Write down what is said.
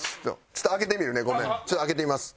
ちょっと開けてみます。